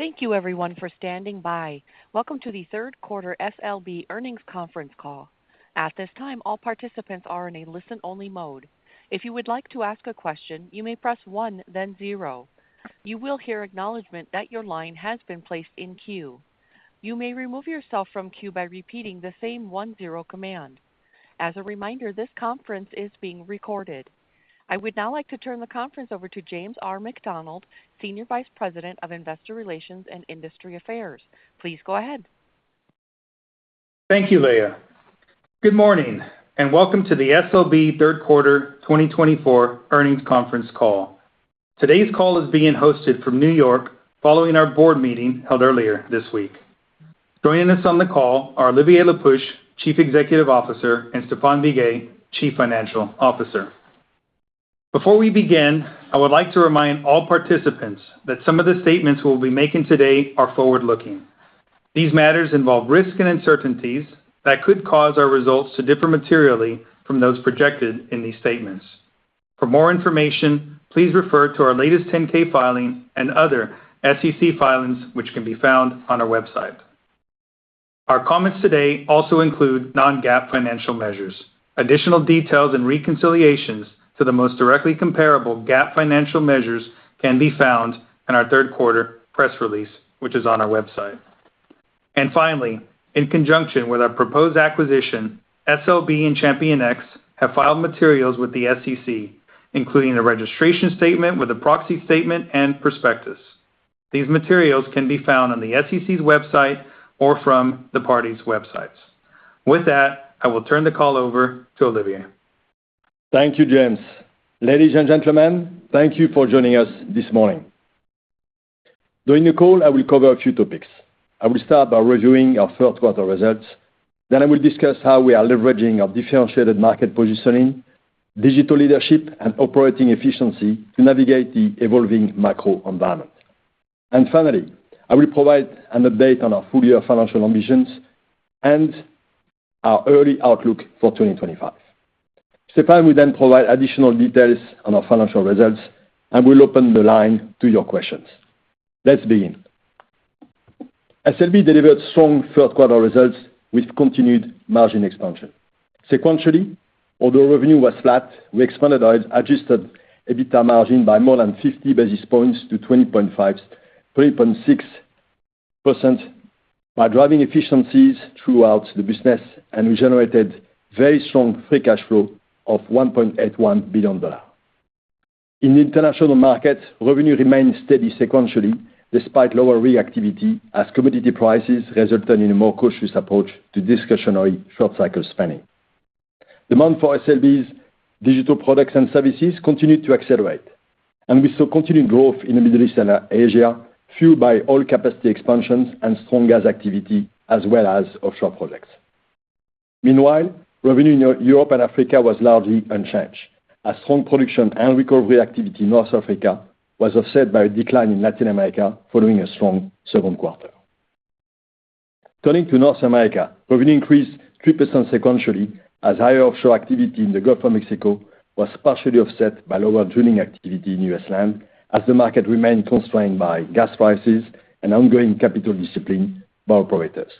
Thank you, everyone, for standing by. Welcome to the third quarter SLB earnings conference call. At this time, all participants are in a listen-only mode. If you would like to ask a question, you may press one, then zero. You will hear acknowledgment that your line has been placed in queue. You may remove yourself from queue by repeating the same one zero command. As a reminder, this conference is being recorded. I would now like to turn the conference over to James R. McDonald, Senior Vice President of Investor Relations and Industry Affairs. Please go ahead. Thank you, Leah. Good morning, and welcome to the SLB third quarter 2024 earnings conference call. Today's call is being hosted from New York, following our board meeting held earlier this week. Joining us on the call are Olivier Le Peuch, Chief Executive Officer, and Stéphane Biguet, Chief Financial Officer. Before we begin, I would like to remind all participants that some of the statements we'll be making today are forward-looking. These matters involve risks and uncertainties that could cause our results to differ materially from those projected in these statements. For more information, please refer to our latest 10-K filing and other SEC filings, which can be found on our website. Our comments today also include non-GAAP financial measures. Additional details and reconciliations to the most directly comparable GAAP financial measures can be found in our third quarter press release, which is on our website. Finally, in conjunction with our proposed acquisition, SLB and ChampionX have filed materials with the SEC, including a registration statement with a proxy statement and prospectus. These materials can be found on the SEC's website or from the parties' websites. With that, I will turn the call over to Olivier. Thank you, James. Ladies and gentlemen, thank you for joining us this morning. During the call, I will cover a few topics. I will start by reviewing our third quarter results, then I will discuss how we are leveraging our differentiated market positioning, digital leadership, and operating efficiency to navigate the evolving macro environment. And finally, I will provide an update on our full-year financial ambitions and our early outlook for 2025. Stéphane will then provide additional details on our financial results, and we'll open the line to your questions. Let's begin. SLB delivered strong third quarter results with continued margin expansion. Sequentially, although revenue was flat, we expanded our adjusted EBITDA margin by more than fifty basis points to 20.5%-20.6% by driving efficiencies throughout the business, and we generated very strong free cash flow of $1.81 billion. In the international market, revenue remained steady sequentially, despite lower rig activity as commodity prices resulted in a more cautious approach to discretionary short-cycle spending. Demand for SLB's digital products and services continued to accelerate, and we saw continued growth in the Middle East and Asia, fueled by oil capacity expansions and strong gas activity, as well as offshore projects. Meanwhile, revenue in Europe and Africa was largely unchanged, as strong production and recovery activity in North Africa was offset by a decline in Latin America following a strong second quarter. Turning to North America, revenue increased 3% sequentially, as higher offshore activity in the Gulf of Mexico was partially offset by lower drilling activity in U.S. Land, as the market remained constrained by gas prices and ongoing capital discipline by our operators.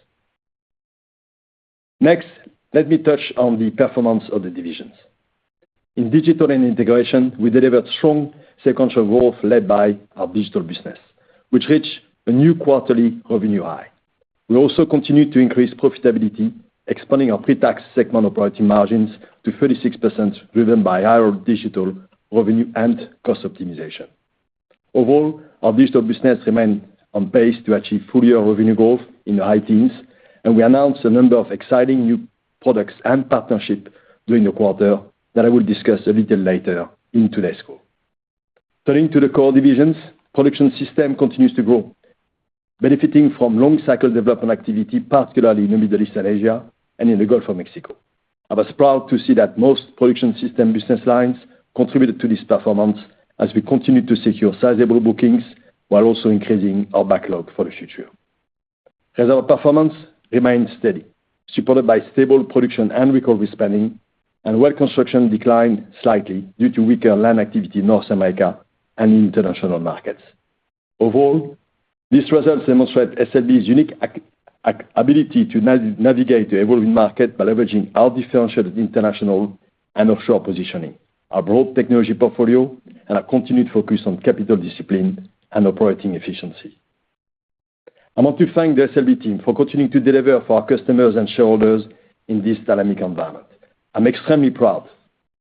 Next, let me touch on the performance of the divisions. In Digital and Integration, we delivered strong sequential growth led by our digital business, which reached a new quarterly revenue high. We also continued to increase profitability, expanding our pre-tax segment operating margins to 36%, driven by higher digital revenue and cost optimization. Overall, our digital business remained on pace to achieve full-year revenue growth in the high teens, and we announced a number of exciting new products and partnerships during the quarter that I will discuss a little later in today's call. Turning to the core divisions, Production Systems continues to grow, benefiting from long-cycle development activity, particularly in the Middle East and Asia and in the Gulf of Mexico. I was proud to see that most Production Systems business lines contributed to this performance as we continued to secure sizable bookings while also increasing our backlog for the future. Reservoir Performance remained steady, supported by stable production and recovery spending, and Well Construction declined slightly due to weaker land activity in North America and in international markets. Overall, these results demonstrate SLB's unique ability to navigate the evolving market by leveraging our differentiated international and offshore positioning, our broad technology portfolio, and our continued focus on capital discipline and operating efficiency. I want to thank the SLB team for continuing to deliver for our customers and shareholders in this dynamic environment. I'm extremely proud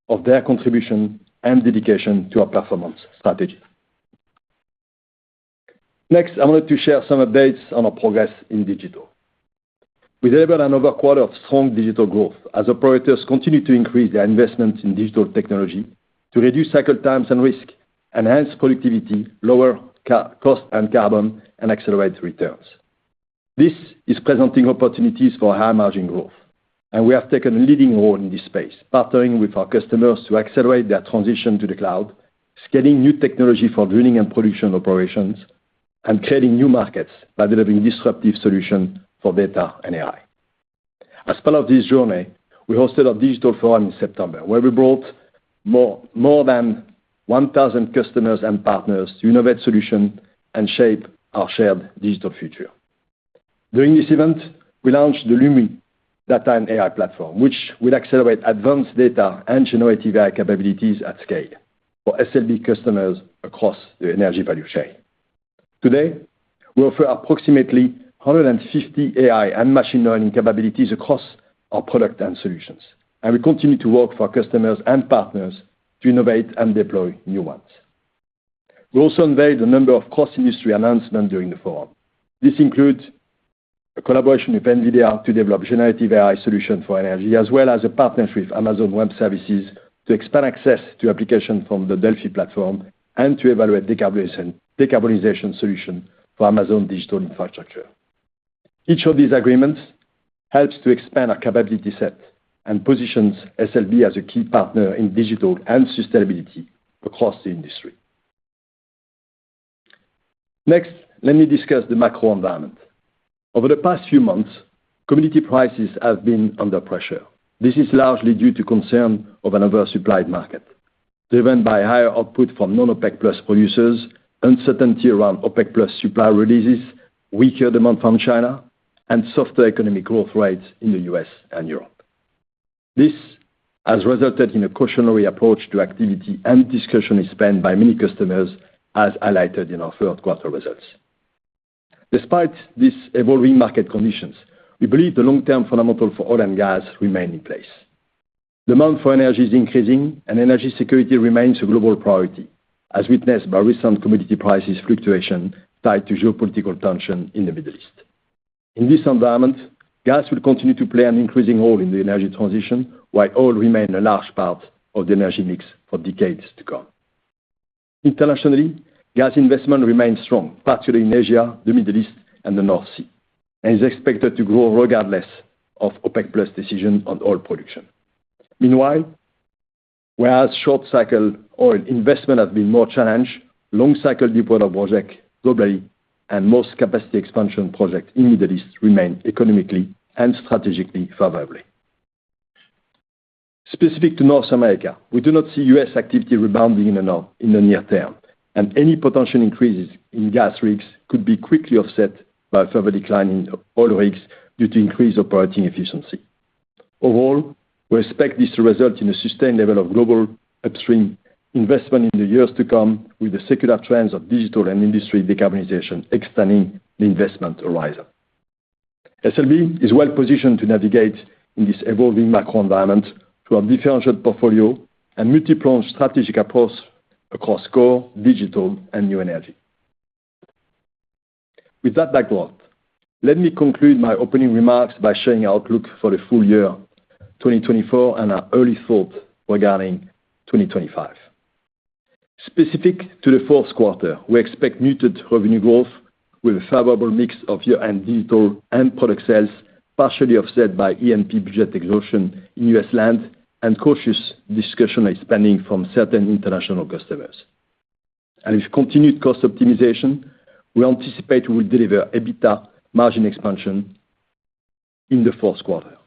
of their contribution and dedication to our performance strategy. Next, I wanted to share some updates on our progress in digital. We delivered another quarter of strong digital growth as operators continue to increase their investments in digital technology to reduce cycle times and risk, enhance productivity, lower cost and carbon, and accelerate returns. This is presenting opportunities for high-margin growth, and we have taken a leading role in this space, partnering with our customers to accelerate their transition to the cloud, scaling new technology for drilling and production operations, and creating new markets by delivering disruptive solutions for data and AI. As part of this journey, we hosted a digital forum in September, where we brought more than 1,000 customers and partners to innovate solutions and shape our shared digital future. During this event, we launched the Lumi data and AI platform, which will accelerate advanced data and generative AI capabilities at scale for SLB customers across the energy value chain. Today, we offer approximately 150 AI and machine learning capabilities across our products and solutions, and we continue to work for our customers and partners to innovate and deploy new ones. We also unveiled a number of cross-industry announcements during the forum. This includes a collaboration with NVIDIA to develop generative AI solution for energy, as well as a partnership with Amazon Web Services to expand access to application from the DELFI platform and to evaluate decarbonization solution for Amazon digital infrastructure. Each of these agreements helps to expand our capability set and positions SLB as a key partner in digital and sustainability across the industry. Next, let me discuss the macro environment. Over the past few months, commodity prices have been under pressure. This is largely due to concern of an oversupplied market, driven by higher output from non-OPEC+ producers, uncertainty around OPEC+ supply releases, weaker demand from China, and softer economic growth rates in the U.S. and Europe. This has resulted in a cautionary approach to activity and discretionary spend by many customers, as highlighted in our third quarter results. Despite these evolving market conditions, we believe the long-term fundamentals for oil and gas remain in place. Demand for energy is increasing, and energy security remains a global priority, as witnessed by recent commodity price fluctuations tied to geopolitical tension in the Middle East. In this environment, gas will continue to play an increasing role in the energy transition, while oil remains a large part of the energy mix for decades to come. Internationally, gas investment remains strong, particularly in Asia, the Middle East, and the North Sea, and is expected to grow regardless of OPEC+ decisions on oil production. Meanwhile, whereas short-cycle oil investment has been more challenged, long-cycle deployment projects globally and most capacity expansion projects in the Middle East remain economically and strategically favorable. Specific to North America, we do not see U.S. activity rebounding in the near term, and any potential increases in gas rigs could be quickly offset by further decline in oil rigs due to increased operating efficiency. Overall, we expect this to result in a sustained level of global upstream investment in the years to come, with the secular trends of digital and industry decarbonization extending the investment horizon. SLB is well positioned to navigate in this evolving macro environment through our differentiated portfolio and multi-pronged strategic approach across core, digital, and new energy. With that backdrop, let me conclude my opening remarks by sharing our outlook for the full year 2024 and our early thoughts regarding 2025. Specific to the fourth quarter, we expect muted revenue growth with a favorable mix of year-end digital and product sales, partially offset by E&P budget exhaustion in U.S. Land and cautious discretionary spending from certain international customers. And with continued cost optimization, we anticipate we will deliver EBITDA margin expansion in the fourth quarter.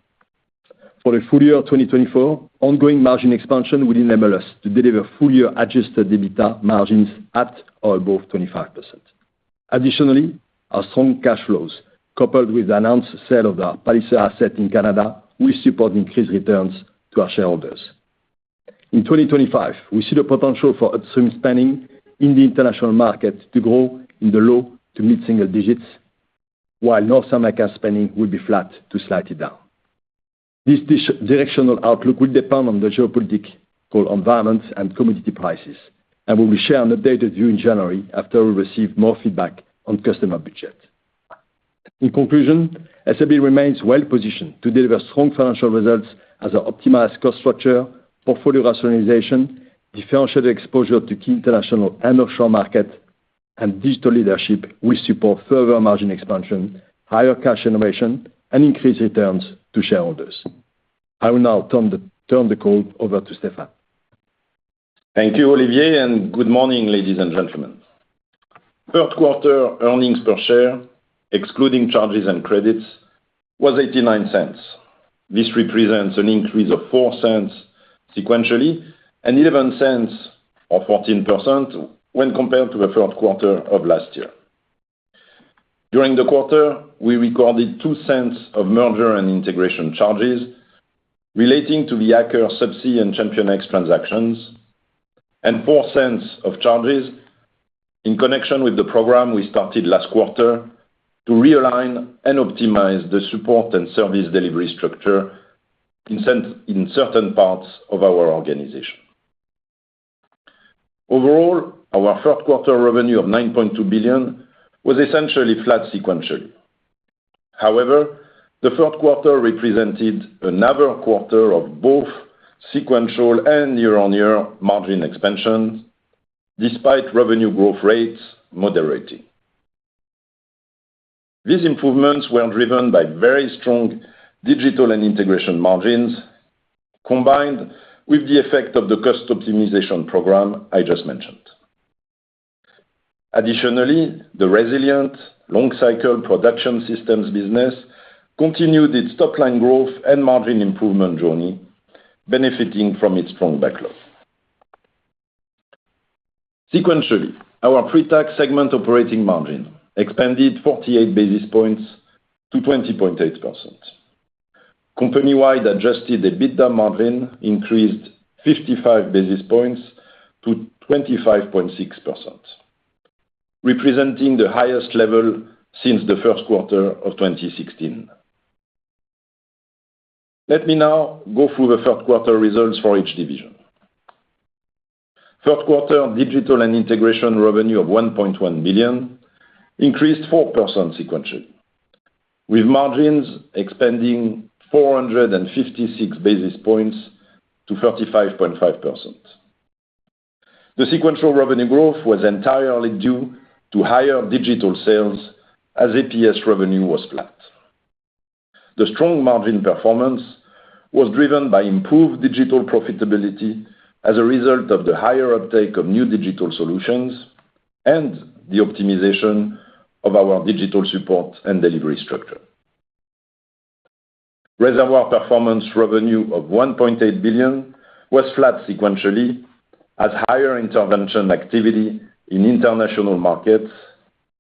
For the full year 2024, ongoing margin expansion will enable us to deliver full-year adjusted EBITDA margins at or above 25%. Additionally, our strong cash flows, coupled with the announced sale of our Palliser asset in Canada, will support increased returns to our shareholders. In 2025, we see the potential for upstream spending in the international market to grow in the low to mid single digits, while North America spending will be flat to slightly down. This directional outlook will depend on the geopolitical environment and commodity prices, and we will share an updated view in January after we receive more feedback on customer budget. In conclusion, SLB remains well positioned to deliver strong financial results as our optimized cost structure, portfolio rationalization, differentiated exposure to key international and offshore market, and digital leadership will support further margin expansion, higher cash generation, and increased returns to shareholders. I will now turn the call over to Stéphane. Thank you, Olivier, and good morning, ladies and gentlemen. Third quarter earnings per share, excluding charges and credits, was $0.89. This represents an increase of $0.04 sequentially and $0.11 or 14% when compared to the third quarter of last year. During the quarter, we recorded $0.02 of merger and integration charges relating to the Aker Subsea and ChampionX transactions, and $0.04 of charges in connection with the program we started last quarter to realign and optimize the support and service delivery structure in certain parts of our organization. Overall, our third quarter revenue of $9.2 billion was essentially flat sequentially. However, the third quarter represented another quarter of both sequential and year-on-year margin expansion, despite revenue growth rates moderating. These improvements were driven by very strong Digital and Integration margins, combined with the effect of the cost optimization program I just mentioned. Additionally, the resilient long-cycle Production Systems business continued its top line growth and margin improvement journey, benefiting from its strong backlog. Sequentially, our pre-tax segment operating margin expanded 48 basis points to 20.8%. Company-wide adjusted EBITDA margin increased 55 basis points to 25.6%, representing the highest level since the first quarter of 2016. Let me now go through the third quarter results for each division. Third quarter Digital and Integration revenue of $1.1 billion increased 4% sequentially, with margins expanding 456 basis points to 35.5%. The sequential revenue growth was entirely due to higher digital sales, as APS revenue was flat. The strong margin performance was driven by improved digital profitability as a result of the higher uptake of new digital solutions and the optimization of our digital support and delivery structure. Reservoir Performance revenue of $1.8 billion was flat sequentially, as higher intervention activity in international markets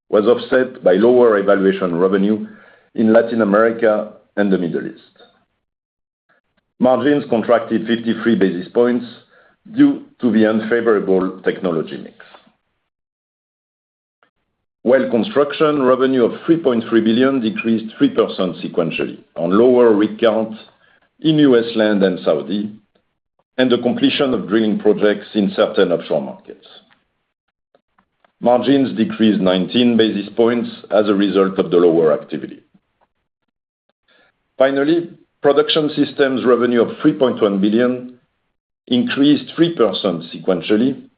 was offset by lower evaluation revenue in Latin America and the Middle East. Margins contracted 53 basis points due to the unfavorable technology mix. Well Construction revenue of $3.3 billion decreased 3% sequentially on lower rig counts in U.S. Land and Saudi, and the completion of drilling projects in certain offshore markets. Margins decreased 19 basis points as a result of the lower activity. Finally, Production Systems revenue of $3.1 billion increased 3% sequentially,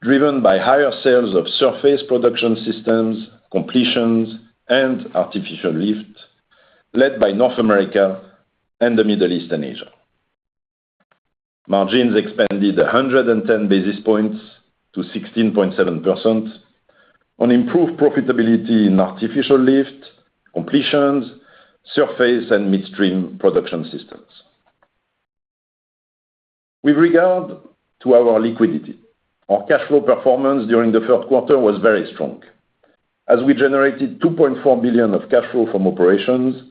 driven by higher sales of Surface Production Systems, Completions, and Artificial Lift, led by North America and the Middle East and Asia. Margins expanded 110 basis points to 16.7% on improved profitability in Artificial Lift, Completions, Surface, and Midstream Production Systems. With regard to our liquidity, our cash flow performance during the third quarter was very strong, as we generated $2.4 billion of cash flow from operations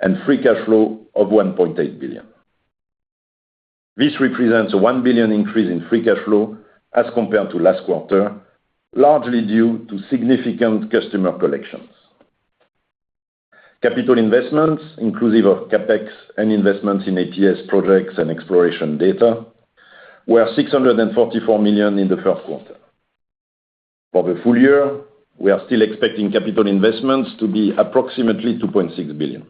and free cash flow of $1.8 billion. This represents a $1 billion increase in free cash flow as compared to last quarter, largely due to significant customer collections. Capital investments, inclusive of CapEx and investments in APS projects and exploration data, were $644 million in the first quarter. For the full year, we are still expecting capital investments to be approximately $2.6 billion.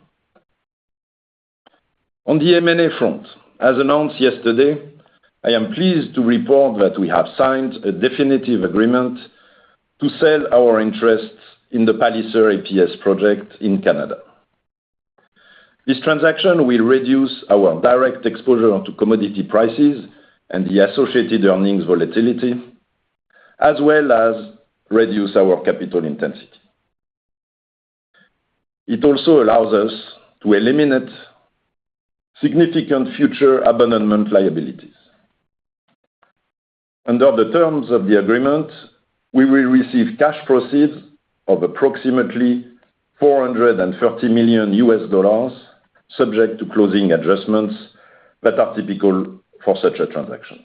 On the M&A front, as announced yesterday, I am pleased to report that we have signed a definitive agreement to sell our interests in the Palliser APS project in Canada. This transaction will reduce our direct exposure to commodity prices and the associated earnings volatility, as well as reduce our capital intensity. It also allows us to eliminate significant future abandonment liabilities. Under the terms of the agreement, we will receive cash proceeds of approximately $430 million, subject to closing adjustments that are typical for such a transaction.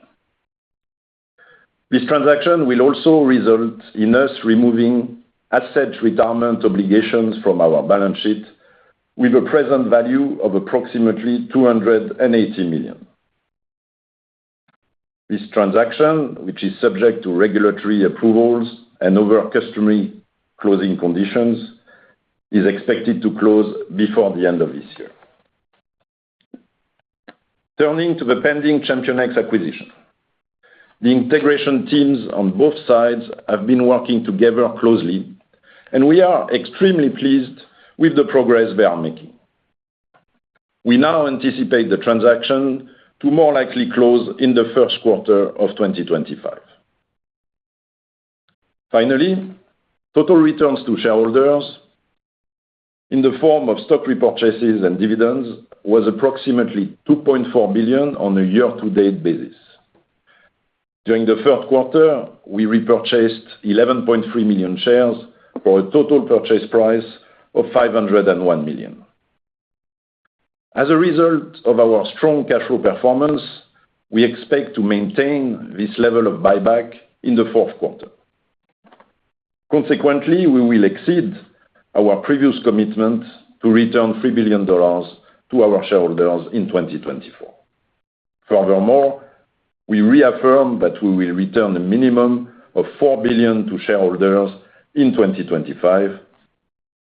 This transaction will also result in us removing asset retirement obligations from our balance sheet with a present value of approximately $280 million. This transaction, which is subject to regulatory approvals and other customary closing conditions, is expected to close before the end of this year. Turning to the pending ChampionX acquisition, the integration teams on both sides have been working together closely, and we are extremely pleased with the progress they are making. We now anticipate the transaction to more likely close in the first quarter of 2025. Finally, total returns to shareholders in the form of stock repurchases and dividends was approximately $2.4 billion on a year-to-date basis. During the third quarter, we repurchased 11.3 million shares for a total purchase price of $501 million. As a result of our strong cash flow performance, we expect to maintain this level of buyback in the fourth quarter. Consequently, we will exceed our previous commitment to return $3 billion to our shareholders in 2024. Furthermore, we reaffirm that we will return a minimum of $4 billion to shareholders in 2025,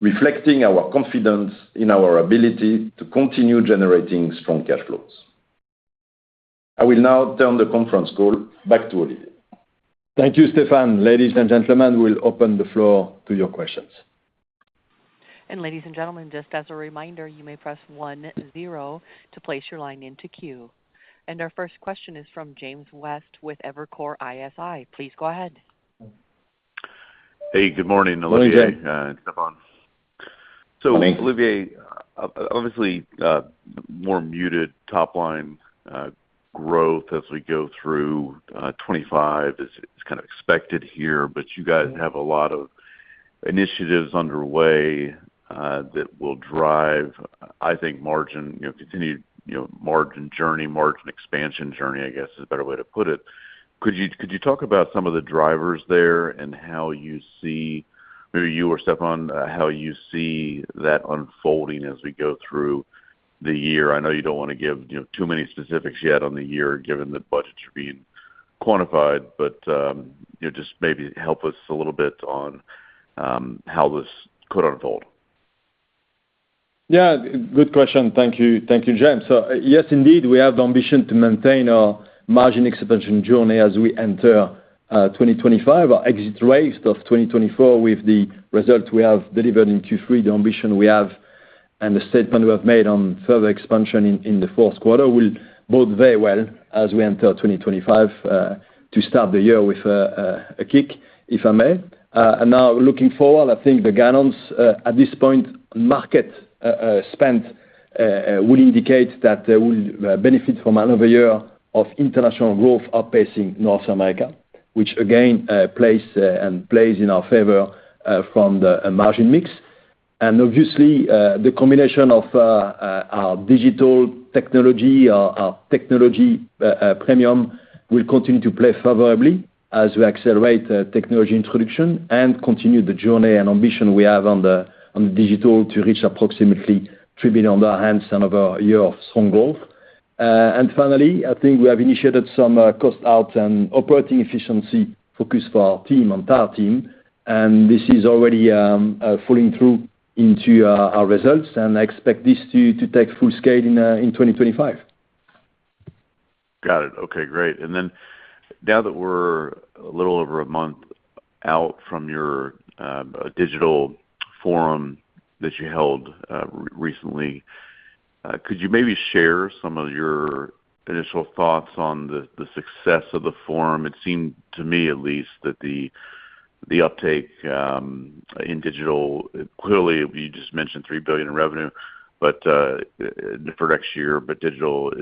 reflecting our confidence in our ability to continue generating strong cash flows. I will now turn the conference call back to Olivier. Thank you, Stéphane. Ladies and gentlemen, we'll open the floor to your questions. And ladies and gentlemen, just as a reminder, you may press one zero to place your line into queue, and our first question is from James West with Evercore ISI. Please go ahead. Hey, good morning, Olivier, and Stéphane. Good morning. So Olivier, obviously, more muted top line growth as we go through 2025 is kind of expected here, but you guys have a lot of initiatives underway that will drive, I think, margin, you know, continued, you know, margin journey, margin expansion journey, I guess, is a better way to put it. Could you talk about some of the drivers there and how you see, maybe you or Stéphane, how you see that unfolding as we go through the year? I know you don't want to give, you know, too many specifics yet on the year, given the budgets are being quantified, but, you know, just maybe help us a little bit on how this could unfold. Yeah, good question. Thank you. Thank you, James. So yes, indeed, we have the ambition to maintain our margin expansion journey as we enter 2025. Our exit rates of 2024 with the results we have delivered in Q3, the ambition we have and the statement we have made on further expansion in the fourth quarter, will bode very well as we enter 2025 to start the year with a kick, if I may. And now, looking forward, I think the guidance at this point, market sentiment would indicate that there will benefit from another year of international growth outpacing North America, which again plays in our favor from the margin mix. Obviously, the combination of our digital technology, our premium technology, will continue to play favorably as we accelerate the technology introduction and continue the journey and ambition we have on the digital to reach approximately $3 billion on hand, another year of strong growth. Finally, I think we have initiated some cost out and operating efficiency focus for our entire team, and this is already flowing through into our results, and I expect this to take full scale in 2025. Got it. Okay, great. And then now that we're a little over a month out from your digital forum that you held recently, could you maybe share some of your initial thoughts on the success of the forum? It seemed, to me at least, that the uptake in digital, clearly, you just mentioned $3 billion in revenue for next year, but digital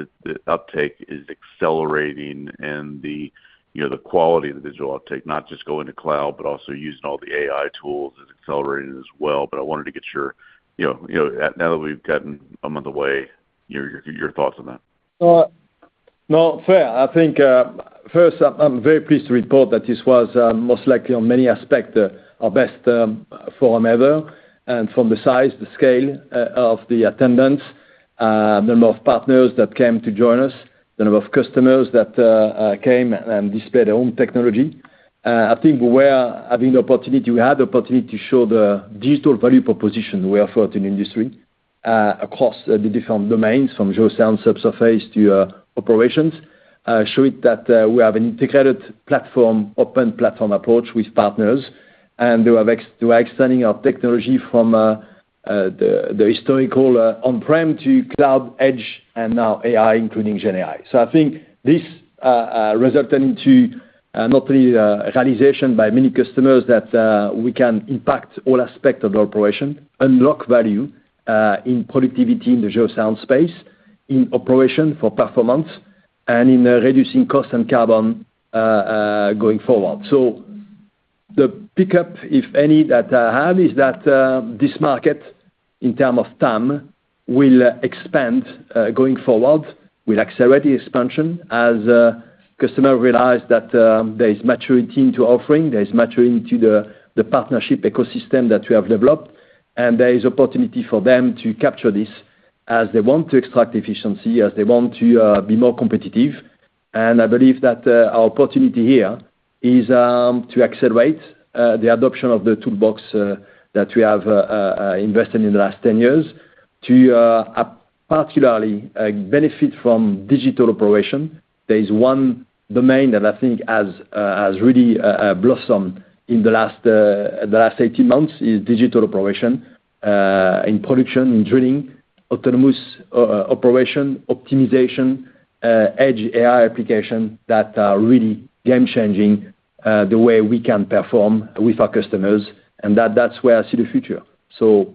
uptake is accelerating and the, you know, the quality of the digital uptake, not just going to cloud, but also using all the AI tools is accelerating as well. But I wanted to get your, you know, now that we've gotten a month away, your thoughts on that. No, fair. I think, first, I'm very pleased to report that this was, most likely, on many aspects, our best term forum ever, and from the size, the scale, of the attendance, the number of partners that came to join us, the number of customers that came and displayed their own technology. I think we had the opportunity to show the digital value proposition we offer to the industry, across the different domains, from geoscience subsurface to operations, showing that we have an integrated platform, open platform approach with partners, and we are extending our technology from the historical on-prem to cloud, edge, and now AI, including GenAI. So I think this resulted into not only realization by many customers that we can impact all aspects of the operation, unlock value in productivity in the geoscience space, in operation for performance, and in reducing cost and carbon going forward. The pickup, if any, that I have is that this market, in terms of TAM, will expand going forward, will accelerate the expansion as customers realize that there is maturity in the offering, there is maturity to the partnership ecosystem that we have developed, and there is opportunity for them to capture this as they want to extract efficiency, as they want to be more competitive. And I believe that our opportunity here is to accelerate the adoption of the toolbox that we have invested in the last ten years to particularly benefit from digital operation. There is one domain that I think has really blossomed in the last eighteen months, is digital operation in production, in drilling, autonomous operation, optimization, edge AI application that are really game changing the way we can perform with our customers, and that's where I see the future. So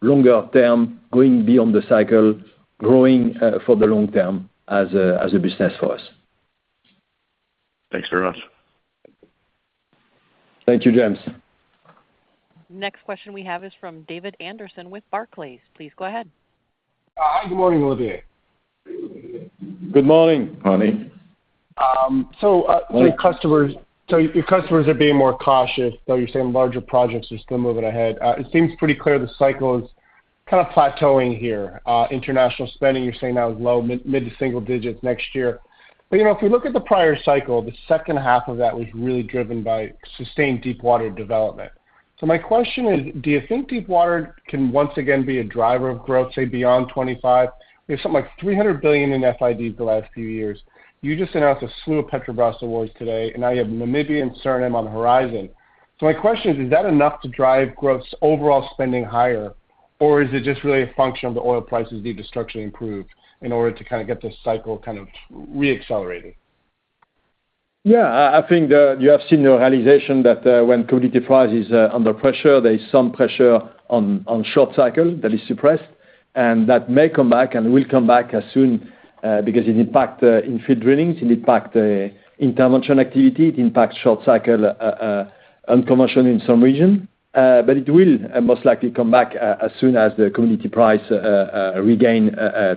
longer term, going beyond the cycle, growing for the long term as a business for us. Thanks very much. Thank you, James. Next question we have is from David Anderson with Barclays. Please go ahead. Good morning, Olivier. Good morning. Morning. So, your customers, so your customers are being more cautious, though you're saying larger projects are still moving ahead. It seems pretty clear the cycle is kind of plateauing here. International spending, you're saying that was low, mid to single digits next year. But, you know, if you look at the prior cycle, the second half of that was really driven by sustained deepwater development. So my question is: do you think deepwater can once again be a driver of growth, say, beyond 2025? There's something like $300 billion in FID for the last few years. You just announced a slew of Petrobras awards today, and now you have Namibia and Suriname on the horizon. So my question is, is that enough to drive gross overall spending higher? Or is it just really a function of the oil prices need to structurally improve in order to kind of get this cycle kind of re-accelerating? Yeah, I think that you have seen the realization that, when commodity price is under pressure, there is some pressure on short cycle that is suppressed, and that may come back and will come back as soon as, because it impact in field drillings, it impact intervention activity, it impacts short cycle and completions in some region. But it will most likely come back as soon as the commodity price regains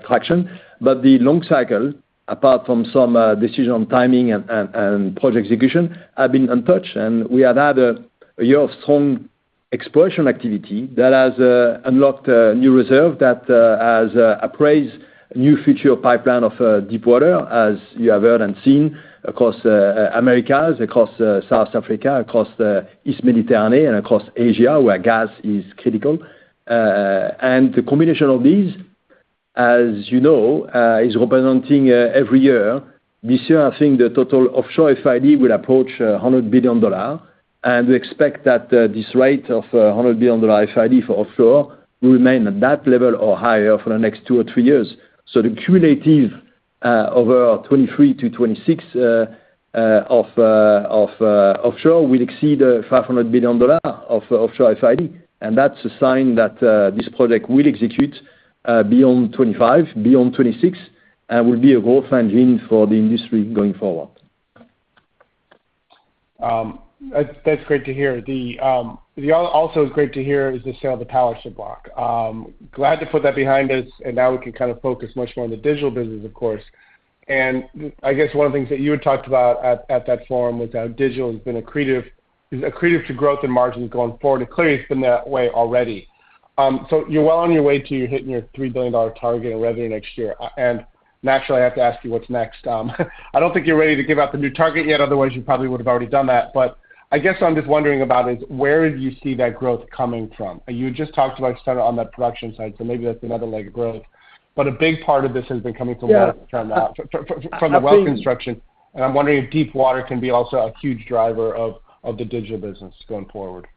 traction. But the long cycle, apart from some decision on timing and project execution, have been untouched. And we have had a year of strong exploration activity that has unlocked new reserve that has appraised new future pipeline of deep water, as you have heard and seen across Americas, across South Africa, across the East Mediterranean, and across Asia, where gas is critical, and the combination of these, as you know, is representing every year. This year, I think the total offshore FID will approach $100 billion, and we expect that this rate of $100 billion FID for offshore will remain at that level or higher for the next two or three years, so the cumulative over 2023 to 2026 of offshore will exceed $500 billion of offshore FID. That's a sign that this project will execute beyond 2025, beyond 2026, and will be a growth engine for the industry going forward. That's great to hear. Also great to hear is the sale of the Palliser block. Glad to put that behind us, and now we can kind of focus much more on the digital business, of course. And I guess one of the things that you had talked about at that forum was how digital has been accretive, is accretive to growth and margins going forward. It clearly has been that way already. So you're well on your way to hitting your $3 billion target in revenue next year. And naturally, I have to ask you what's next? I don't think you're ready to give out the new target yet, otherwise you probably would have already done that. But I guess what I'm just wondering about is, where do you see that growth coming from? You just talked about starter on that production side, so maybe that's another leg of growth. But a big part of this has been coming from- Yeah From the Well Construction. And I'm wondering if deep water can be also a huge driver of the digital business going forward.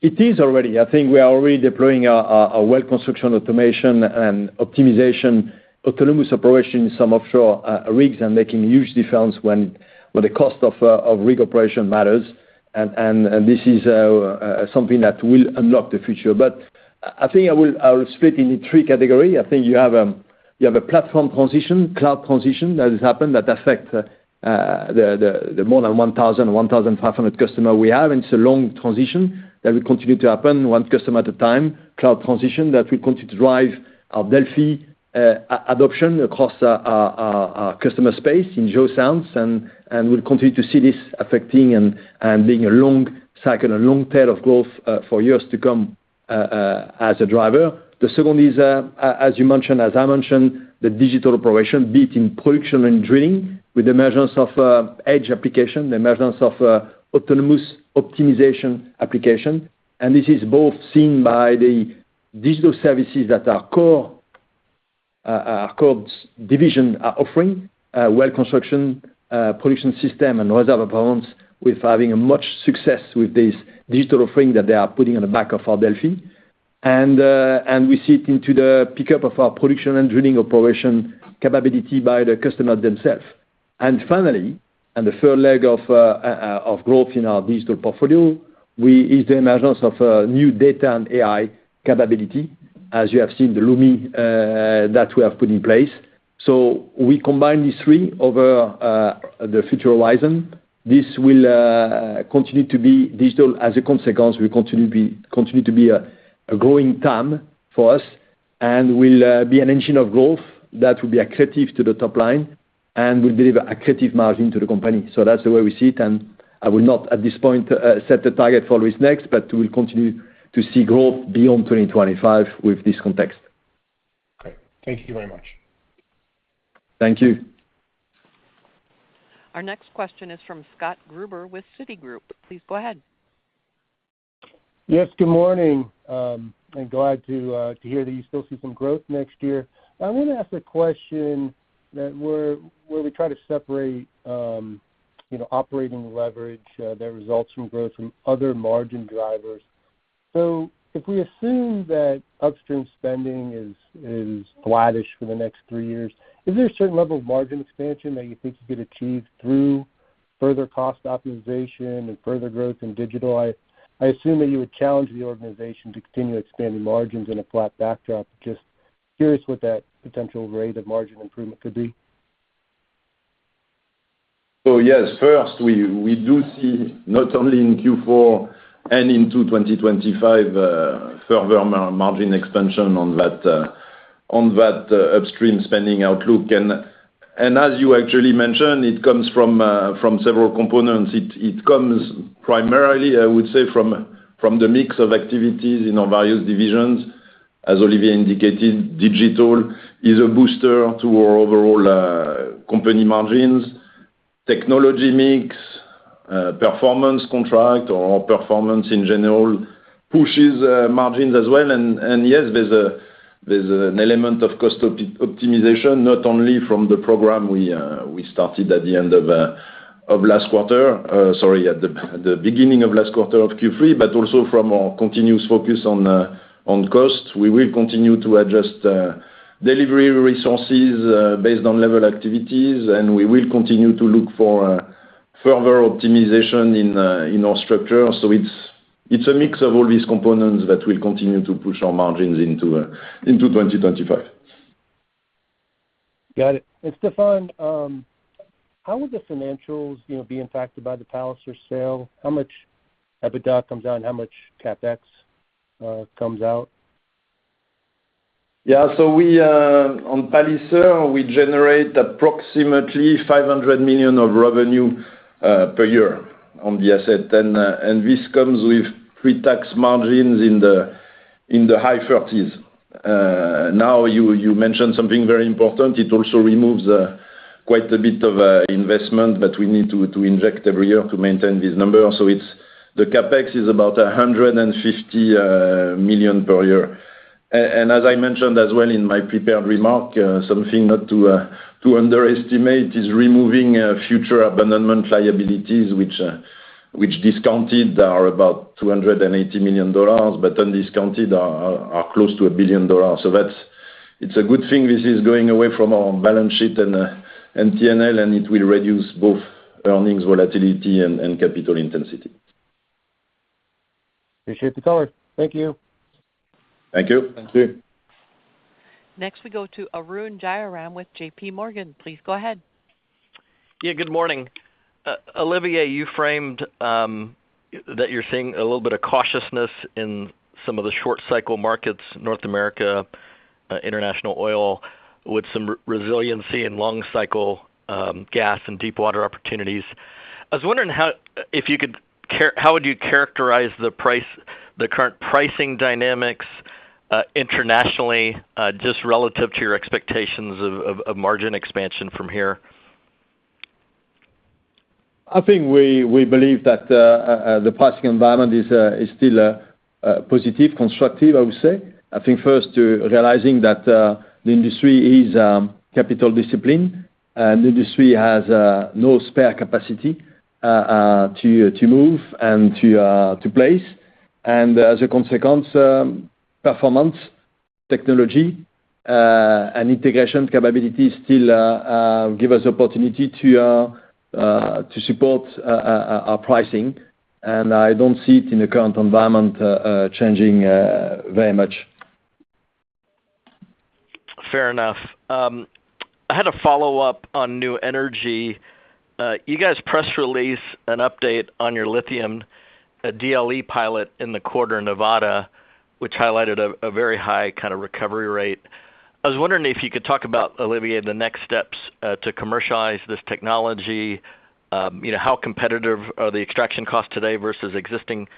It is already. I think we are already deploying a Well Construction automation and optimization, autonomous operation in some offshore rigs and making huge difference when the cost of rig operation matters, and this is something that will unlock the future, but I think I will split it into three category. I think you have a platform transition, cloud transition, that has happened, that affect the more than 1,500 customer we have. It's a long transition that will continue to happen, one customer at a time, cloud transition, that will continue to drive our DELFI adoption across our customer space in geoscience, and we'll continue to see this affecting and being a long cycle, a long tail of growth for years to come as a driver. The second is as you mentioned, as I mentioned, the digital operation, be it in production and drilling, with the emergence of edge application, the emergence of autonomous optimization application. This is both seen by the digital services that our core our cores division are offering, Well Construction, Production Systems and other components, with having a much success with this digital offering that they are putting on the back of our DELFI. And we see it into the pickup of our production and drilling operation capability by the customer themselves. And finally, the third leg of growth in our digital portfolio, we is the emergence of new data and AI capability, as you have seen the Lumi that we have put in place. So we combine these three over the future horizon. This will continue to be digital. As a consequence, we continue to be a growing TAM for us, and will be an engine of growth that will be accretive to the top line and will deliver accretive margin to the company. So that's the way we see it, and I will not, at this point, set a target for what is next, but we'll continue to see growth beyond 2025 with this context. Great. Thank you very much. Thank you. Our next question is from Scott Gruber with Citigroup. Please go ahead. Yes, good morning. I'm glad to hear that you still see some growth next year. I want to ask a question where we try to separate, you know, operating leverage that results from growth from other margin drivers. So if we assume that upstream spending is flattish for the next three years, is there a certain level of margin expansion that you think you could achieve through further cost optimization and further growth in digital? I assume that you would challenge the organization to continue expanding margins in a flat backdrop. Just curious what that potential rate of margin improvement could be. So yes, first, we do see not only in Q4 and into 2025 further margin expansion on that upstream spending outlook. And as you actually mentioned, it comes from several components. It comes primarily, I would say, from the mix of activities in our various divisions. As Olivier indicated, digital is a booster to our overall company margins. Technology mix, performance contract or performance in general pushes margins as well. And yes, there's an element of cost optimization, not only from the program we started at the end of last quarter, sorry, at the beginning of last quarter of Q3, but also from our continuous focus on costs. We will continue to adjust delivery resources based on level activities, and we will continue to look for further optimization in our structure. So it's a mix of all these components that will continue to push our margins into 2025. Got it. And Stéphane, how will the financials, you know, be impacted by the Palliser sale? How much EBITDA comes out, and how much CapEx comes out? Yeah, so we on Palliser, we generate approximately $500 million of revenue per year on the asset. And this comes with pre-tax margins in the high 30s%. Now, you mentioned something very important. It also removes quite a bit of investment that we need to inject every year to maintain this number. So it's the CapEx is about $150 million per year. And as I mentioned as well in my prepared remark, something not to underestimate is removing future abandonment liabilities, which discounted are about $280 million, but undiscounted are close to $1 billion. That's a good thing this is going away from our balance sheet and P&L, and it will reduce both earnings volatility and capital intensity. Appreciate the color. Thank you. Thank you. Thank you. Next, we go to Arun Jayaram with JPMorgan. Please go ahead. Yeah, good morning. Olivier, you framed that you're seeing a little bit of cautiousness in some of the short-cycle markets, North America, international oil, with some resiliency in long-cycle gas and deepwater opportunities. I was wondering how would you characterize the price, the current pricing dynamics, internationally, just relative to your expectations of margin expansion from here? I think we believe that the pricing environment is still positive, constructive, I would say. I think first to realizing that the industry is capital discipline, and the industry has no spare capacity to move and to place. And as a consequence, performance, technology, and integration capabilities still give us opportunity to support our pricing. And I don't see it in the current environment changing very much. Fair enough. I had a follow-up on new energy. You guys press released an update on your lithium DLE pilot in the quarter in Nevada, which highlighted a very high kind of recovery rate. I was wondering if you could talk about, Olivier, the next steps to commercialize this technology. You know, how competitive are the extraction costs today versus existing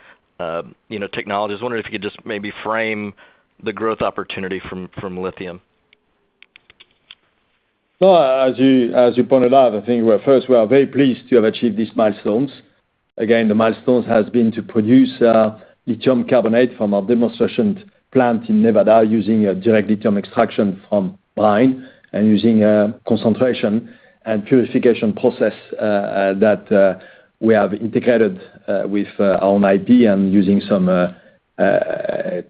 you know technologies? I was wondering if you could just maybe frame the growth opportunity from lithium. As you pointed out, I think we are very pleased to have achieved these milestones. Again, the milestones has been to produce lithium carbonate from our demonstration plant in Nevada using a direct lithium extraction from brine and using a concentration and purification process that we have integrated with our own IP and using some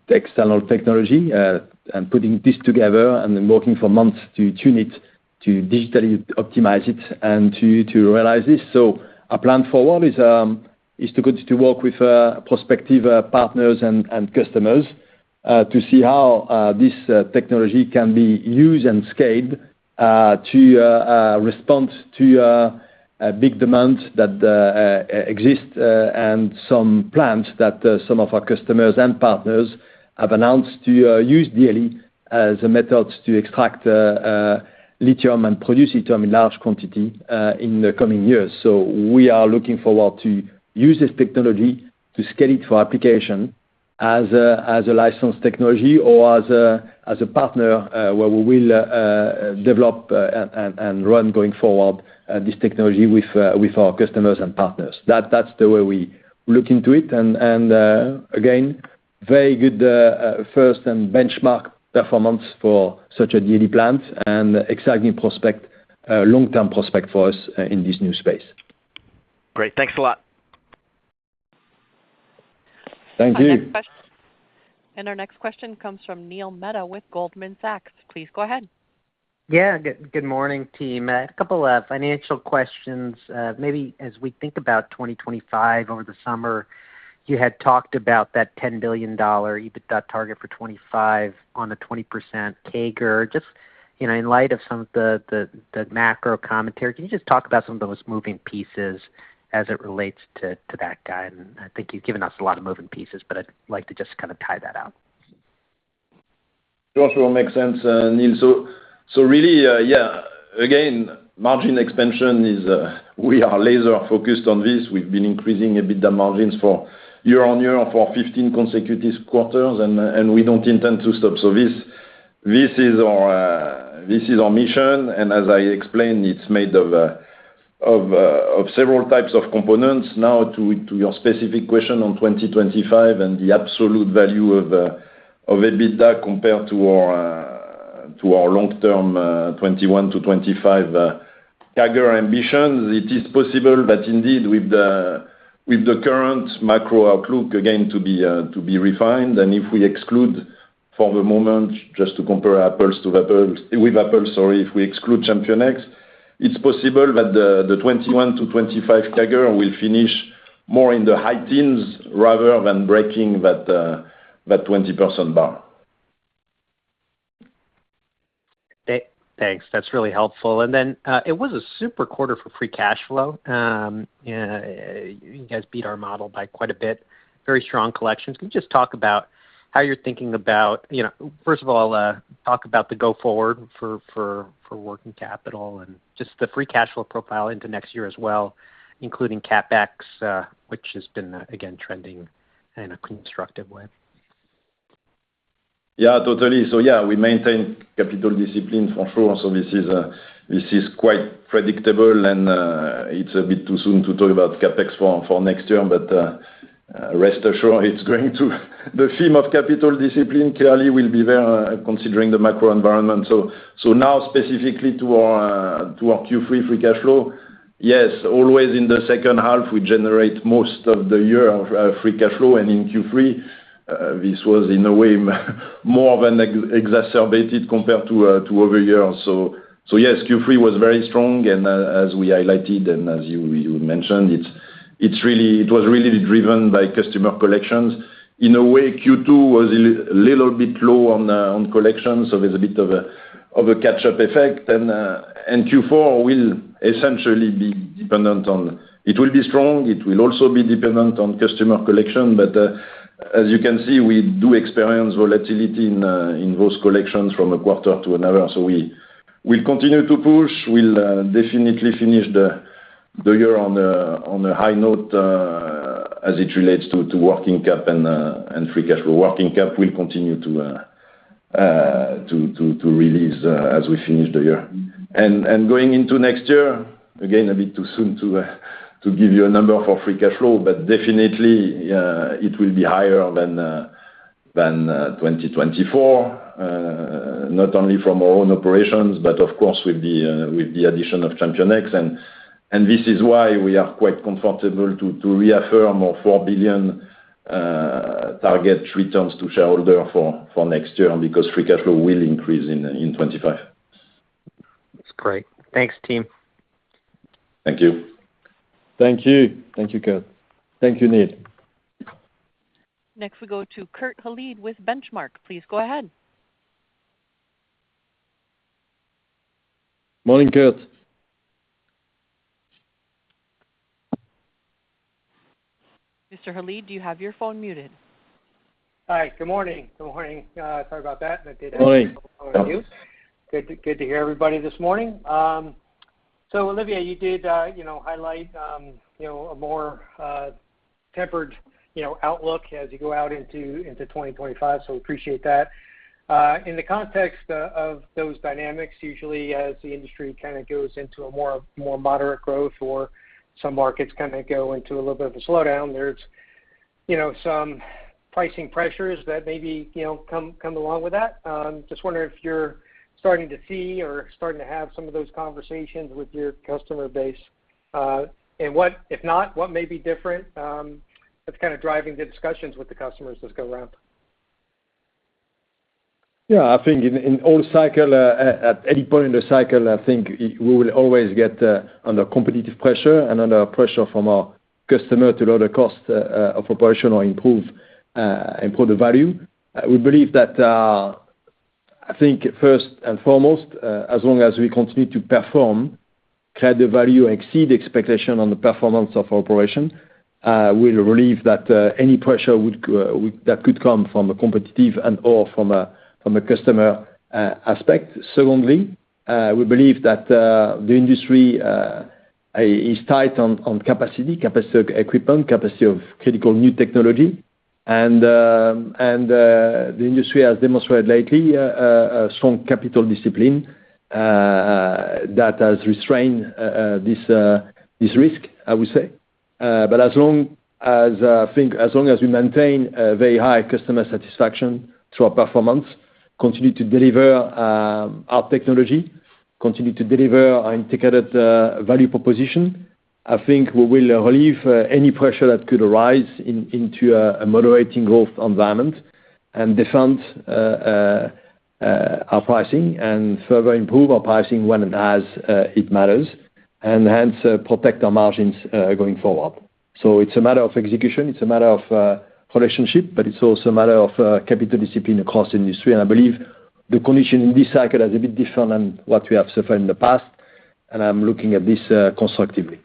external technology and putting this together and then working for months to tune it, to digitally optimize it and to realize this. Our plan forward is to continue to work with prospective partners and customers to see how this technology can be used and scaled to respond to a big demand that exists, and some plans that some of our customers and partners have announced to use DLE as a method to extract lithium and produce lithium in large quantity in the coming years. We are looking forward to use this technology to scale it for application as a licensed technology or as a partner where we will develop and run going forward this technology with our customers and partners. That's the way we look into it. Again, very good first and benchmark performance for such a DLE plant and exciting long-term prospect for us in this new space. Great. Thanks a lot. Thank you. Our next question comes from Neil Mehta with Goldman Sachs. Please go ahead. Yeah, good morning, team. A couple of financial questions. Maybe as we think about 2025 over the summer, you had talked about that $10 billion EBITDA target for 2025 on a 20% CAGR. Just, you know, in light of some of the macro commentary, can you just talk about some of those moving pieces as it relates to that guide? And I think you've given us a lot of moving pieces, but I'd like to just kind of tie that out. Sure, sure, makes sense, Neil. So, so really, yeah, again, margin expansion is, we are laser focused on this. We've been increasing EBITDA margins for year-on-year for fifteen consecutive quarters, and, and we don't intend to stop. So this, this is our, this is our mission, and as I explained, it's made of, of, of several types of components. Now, to your specific question on 2025 and the absolute value of EBITDA compared to our long-term 2021 to 2025 CAGR ambitions, it is possible that indeed, with the current macro outlook, again, to be refined, and if we exclude for the moment, just to compare apples to apples, if we exclude ChampionX, it's possible that the 2021 to 2025 CAGR will finish more in the high teens rather than breaking that 20% bar. Thanks. That's really helpful. And then, it was a super quarter for free cash flow. You guys beat our model by quite a bit. Very strong collections. Can you just talk about how you're thinking about, you know, first of all, talk about the go forward for working capital and just the free cash flow profile into next year as well, including CapEx, which has been, again, trending in a constructive way? Yeah, totally. So yeah, we maintain capital discipline, for sure. So this is quite predictable, and it's a bit too soon to talk about CapEx for next year, but rest assured, it's going to, the theme of capital discipline clearly will be there, considering the macro environment. So now specifically to our Q3 free cash flow, yes, always in the second half, we generate most of the year's free cash flow. And in Q3, this was, in a way, more of an exacerbated compared to prior year. So yes, Q3 was very strong, and as we highlighted, and as you mentioned, it was really driven by customer collections. In a way, Q2 was a little bit low on collections, so there's a bit of a catch-up effect, and Q4 will essentially be dependent on… It will be strong, it will also be dependent on customer collection, but as you can see, we do experience volatility in those collections from a quarter to another, so we'll continue to push. We'll definitely finish the year on a high note as it relates to working cap and free cash flow. Working cap will continue to release as we finish the year. Going into next year, again, a bit too soon to give you a number for free cash flow, but definitely it will be higher than 2024, not only from our own operations, but of course, with the addition of ChampionX. This is why we are quite comfortable to reaffirm our $4 billion target returns to shareholder for next year, because free cash flow will increase in 2025. That's great. Thanks, team. Thank you. Thank you. Thank you, Kurt. Thank you, Neil. Next, we go to Kurt Hallead with Benchmark. Please go ahead. Morning, Kurt. Mr. Hallead, do you have your phone muted? Hi, good morning. Good morning. Sorry about that. Morning. Good to hear everybody this morning. So Olivier, you did, you know, highlight, you know, a more tempered, you know, outlook as you go out into 2025, so appreciate that. In the context of those dynamics, usually as the industry kind of goes into a more moderate growth or some markets kind of go into a little bit of a slowdown, there's, you know, some pricing pressures that maybe, you know, come along with that. Just wondering if you're starting to see or starting to have some of those conversations with your customer base? And what-- if not, what may be different, that's kind of driving the discussions with the customers this go around? Yeah, I think in all cycles, at any point in the cycle, I think we will always get under competitive pressure and under pressure from our customer to lower the cost of operation or improve the value. We believe that, I think first and foremost, as long as we continue to perform, create the value, exceed expectation on the performance of operation, we'll relieve that any pressure that could come from a competitive and or from a customer aspect. Secondly, we believe that the industry is tight on capacity of equipment, capacity of critical new technology. And the industry has demonstrated lately a strong capital discipline that has restrained this risk, I would say. But as long as, I think as long as we maintain a very high customer satisfaction through our performance, continue to deliver our technology, continue to deliver integrated value proposition, I think we will relieve any pressure that could arise into a moderating growth environment and defend our pricing and further improve our pricing when and as it matters, and hence, protect our margins going forward. So it's a matter of execution, it's a matter of relationship, but it's also a matter of capital discipline across the industry. And I believe the condition in this cycle is a bit different than what we have suffered in the past, and I'm looking at this constructively.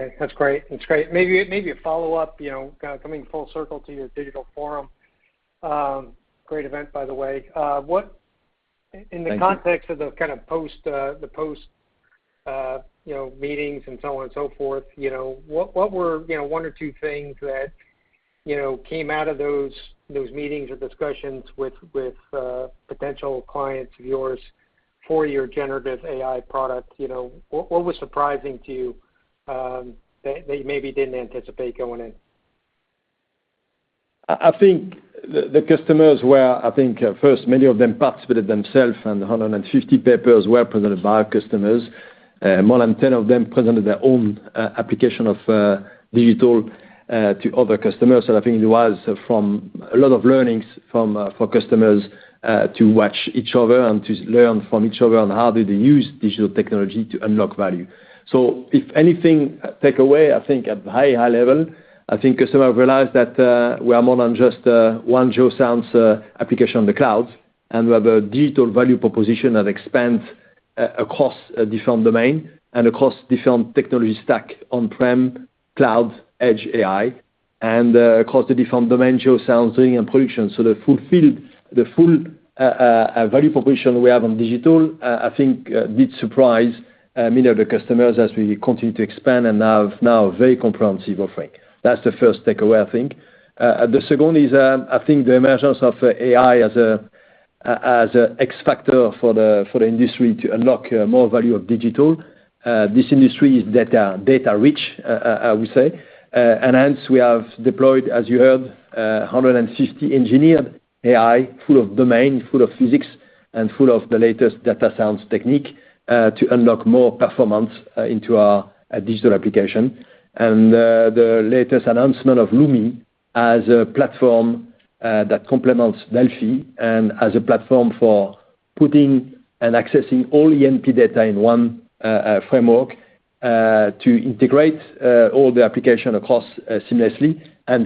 Okay. That's great. That's great. Maybe, maybe a follow-up, you know, coming full circle to your digital forum. Great event, by the way. What- Thank you. In the context of the kind of post, the post, you know, meetings and so on and so forth, you know, what, what were, you know, one or two things that you know came out of those, those meetings or discussions with, with potential clients of yours for your generative AI product, you know, what, what was surprising to you, that, that you maybe didn't anticipate going in? I think the customers were, I think, first, many of them participated themselves, and 150 papers were presented by our customers. More than 10 of them presented their own application of digital to other customers. So I think it was a lot of learnings for customers to watch each other and to learn from each other on how did they use digital technology to unlock value. So if anything, takeaway, I think at very high level, I think customers realized that we are more than just one geoscience application on the cloud, and we have a digital value proposition that expands across a different domain and across different technology stack, on-prem, cloud, edge, AI, and across the different domain, geoscience, drilling, and production. So the full value proposition we have on digital, I think, did surprise many of the customers as we continue to expand and have now a very comprehensive offering. That's the first takeaway, I think. The second is, I think the emergence of AI as a X factor for the industry to unlock more value of digital. This industry is data, data rich, I would say. And hence we have deployed, as you heard, 160 engineered AI, full of domain, full of physics, and full of the latest data science technique to unlock more performance into our digital application. The latest announcement of Lumi as a platform that complements DELFI and as a platform for putting and accessing all E&P data in one framework to integrate all the application across seamlessly.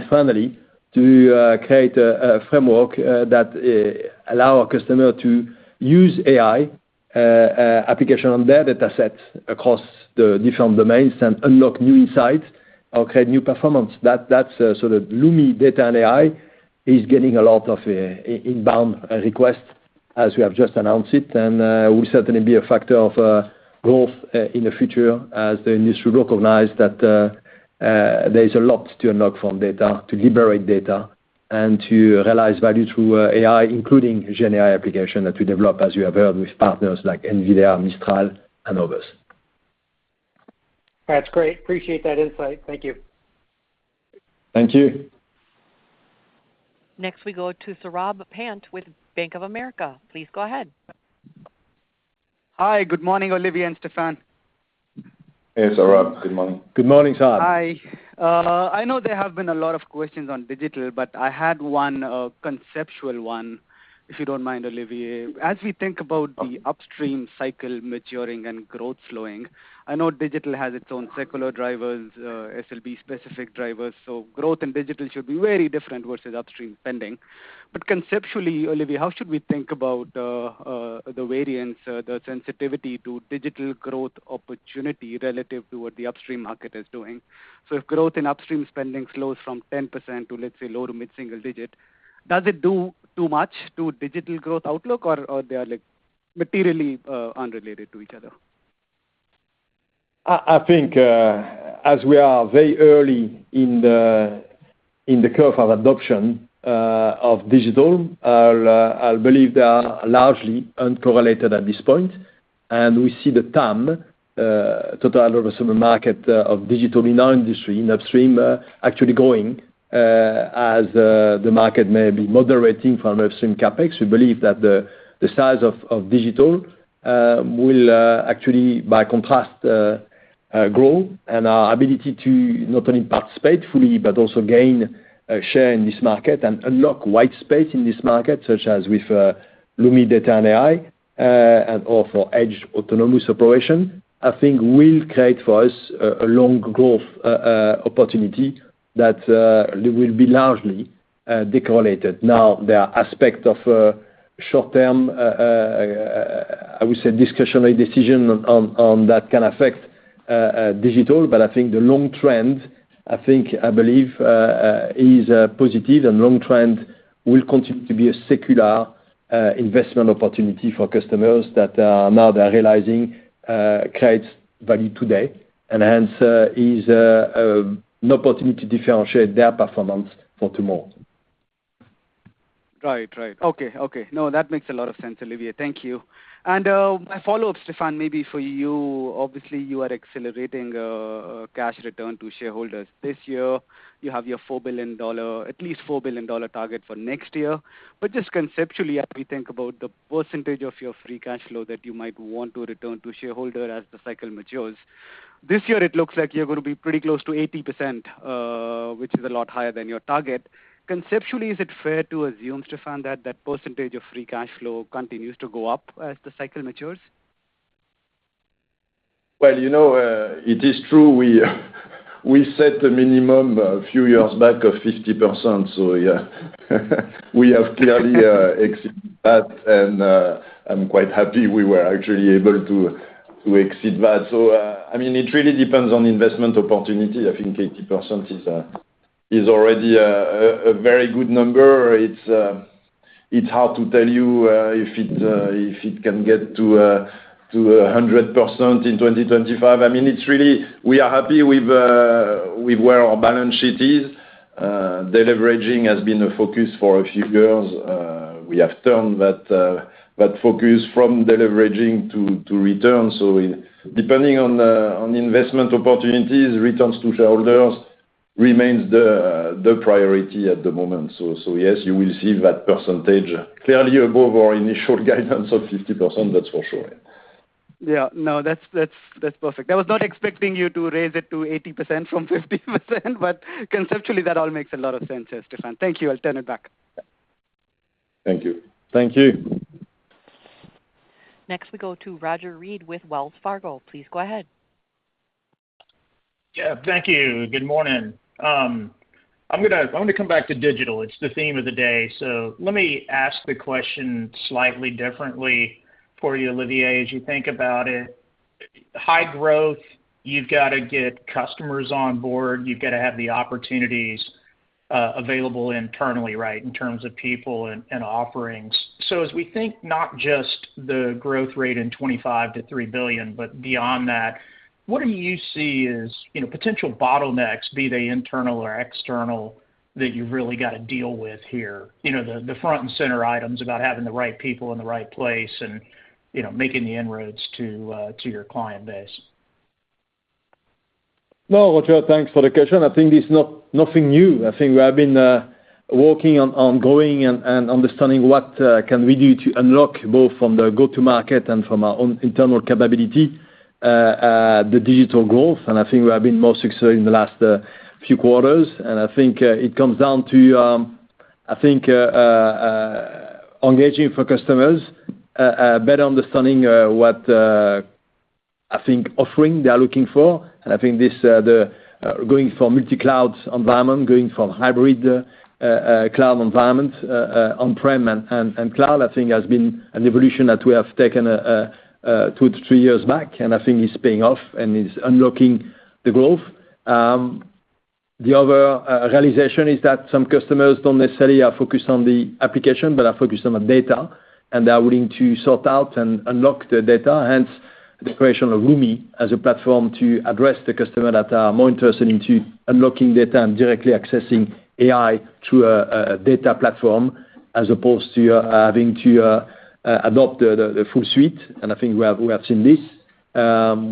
Finally, to create a framework that allow our customer to use AI application on their data set across the different domains and unlock new insights or create new performance. That, that's so the Lumi data and AI is getting a lot of inbound requests as we have just announced it, and will certainly be a factor of growth in the future as the industry recognize that there is a lot to unlock from data, to liberate data, and to realize value through AI, including GenAI application that we develop, as you have heard, with partners like NVIDIA, Mistral, and others. That's great. Appreciate that insight. Thank you. Thank you. Next, we go to Saurabh Pant with Bank of America. Please go ahead. Hi, good morning, Olivier and Stéphane. Hey, Saurabh. Good morning. Good morning, Saurabh. Hi. I know there have been a lot of questions on digital, but I had one, conceptual one, if you don't mind, Olivier. As we think about the upstream cycle maturing and growth slowing, I know digital has its own secular drivers, SLB specific drivers, so growth in digital should be very different versus upstream spending. But conceptually, Olivier, how should we think about, the variance, the sensitivity to digital growth opportunity relative to what the upstream market is doing? So if growth in upstream spending slows from 10% to, let's say, low- to mid-single-digit, does it do too much to digital growth outlook, or, or they are, like, materially, unrelated to each other? I think as we are very early in the curve of adoption of digital, I believe they are largely uncorrelated at this point. And we see the TAM, total addressable market, of digital in our industry, in upstream, actually growing, as the market may be moderating from upstream CapEx. We believe that the size of digital will actually, by contrast, grow, and our ability to not only participate fully, but also gain share in this market and unlock white space in this market, such as with Lumi data and AI, and/or for edge autonomous operation, I think will create for us a long growth opportunity that will be largely decorrelated. Now, there are aspects of short-term, I would say, discretionary decision on that can affect digital, but I think the long trend, I believe, is positive, and long trend will continue to be a secular investment opportunity for customers that now they are realizing creates value today, and hence is an opportunity to differentiate their performance for tomorrow. Right. Right. Okay. Okay. No, that makes a lot of sense, Olivier. Thank you. And, my follow-up, Stéphane, maybe for you. Obviously, you are accelerating, cash return to shareholders. This year, you have your $4 billion, at least $4 billion target for next year. But just conceptually, as we think about the percentage of your free cash flow that you might want to return to shareholder as the cycle matures, this year it looks like you're gonna be pretty close to 80%, which is a lot higher than your target. Conceptually, is it fair to assume, Stéphane, that that percentage of free cash flow continues to go up as the cycle matures? You know, it is true we set the minimum a few years back of 50%, so yeah. We have clearly exceeded that, and I'm quite happy we were actually able to exceed that. I mean, it really depends on investment opportunity. I think 80% is already a very good number. It's it's hard to tell you if it can get to 100% in 2025. I mean, it's really we are happy with where our balance sheet is. Deleveraging has been a focus for a few years. We have turned that focus from deleveraging to return. So depending on investment opportunities, returns to shareholders remains the priority at the moment. So yes, you will see that percentage clearly above our initial guidance of 50%, that's for sure. Yeah. No, that's perfect. I was not expecting you to raise it to 80% from 50%, but conceptually, that all makes a lot of sense, Stéphane. Thank you. I'll turn it back. Thank you. Thank you. Next, we go to Roger Read with Wells Fargo. Please go ahead. Yeah, thank you. Good morning. I want to come back to digital. It's the theme of the day, so let me ask the question slightly differently for you, Olivier. As you think about it, high growth, you've got to get customers on board, you've got to have the opportunities available internally, right, in terms of people and offerings. So as we think not just the growth rate in 2025 to $3 billion, but beyond that, what do you see as, you know, potential bottlenecks, be they internal or external, that you've really got to deal with here? You know, the front and center items about having the right people in the right place and, you know, making the inroads to your client base. No, Roger, thanks for the question. I think it's nothing new. I think we have been working on ongoing and understanding what can we do to unlock both from the go-to-market and from our own internal capability the digital growth, and I think we have been more successful in the last few quarters. And I think it comes down to I think engaging for customers better understanding what I think offering they are looking for. And I think this the going from multi-cloud environment, going from hybrid cloud environment on-prem and cloud I think has been an evolution that we have taken two to three years back, and I think it's paying off and is unlocking the growth. The other realization is that some customers don't necessarily are focused on the application, but are focused on the data, and they are willing to sort out and unlock the data, hence the creation of Lumi as a platform to address the customer that are more interested into unlocking data and directly accessing AI through a data platform, as opposed to having to adopt the full suite. And I think we have seen this.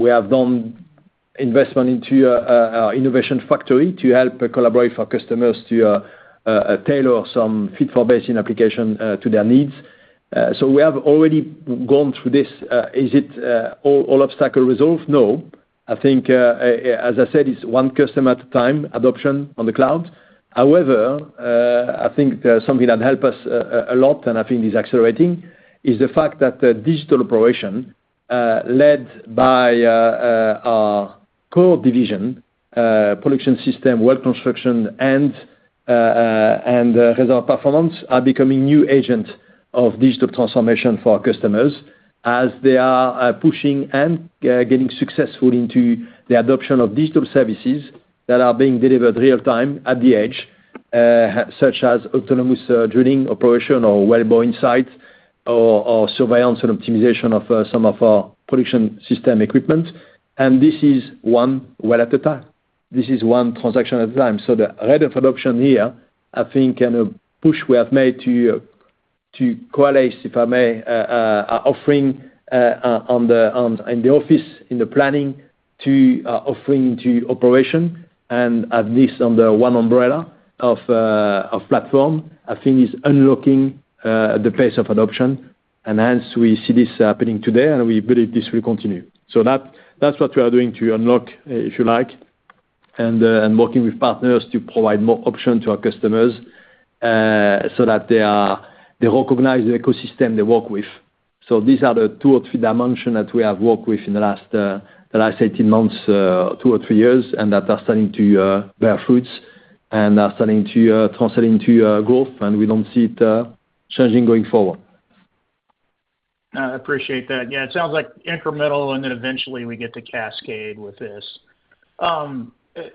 We have done investment into our Innovation Factori to help collaborate for customers to tailor some fit-for-purpose applications to their needs. So we have already gone through this. Is it all obstacles resolved? No. I think, as I said, it's one customer at a time, adoption on the cloud. However, I think something that help us a lot, and I think is accelerating, is the fact that the digital operations, led by our core division, Production Systems, Well Construction, and Reservoir Performance, are becoming new agent of digital transformation for our customers as they are pushing and getting successful into the adoption of digital services that are being delivered real-time, at the edge, such as autonomous drilling operation or wellbore insight or surveillance and optimization of some of our Production Systems equipment. And this is one well at a time. This is one transaction at a time. So the rate of adoption here, I think, and a push we have made to coalesce, if I may, offerings in the offshore, in the planning to offerings into operations, and have this under one umbrella of platform, I think is unlocking the pace of adoption. And hence we see this happening today, and we believe this will continue. So that's what we are doing to unlock, if you like, and working with partners to provide more options to our customers, so that they recognize the ecosystem they work with. So these are the two or three dimensions that we have worked with in the last eighteen months, two or three years, and that are starting to bear fruits and are starting to translate into growth, and we don't see it changing going forward. I appreciate that. Yeah, it sounds like incremental, and then eventually we get to cascade with this.